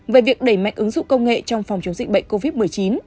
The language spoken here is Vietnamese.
về việc đẩy mạnh ứng dụng công nghệ trong phòng chống dịch bệnh covid một mươi chín